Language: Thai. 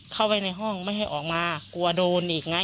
เข้าไปในห้องไม่ให้ออกมากลัวโดนอีกไง